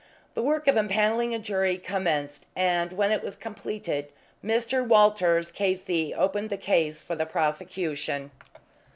The work of empanelling a jury commenced, and when it was completed Mr. Walters, K.C., opened the case for the prosecution.